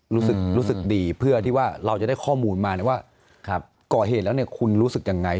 รู้สึกดีเพื่อที่ว่าเราจะได้ข้อมูลมาว่าก่อเหตุแล้วเนี่ยคุณรู้สึกยังไง